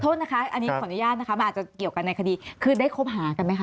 โทษนะคะอันนี้ขออนุญาตนะคะมันอาจจะเกี่ยวกันในคดีคือได้คบหากันไหมค